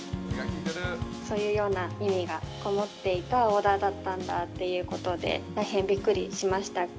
そういうような意味が込もっていたオーダーだったんだということで、大変びっくりしました。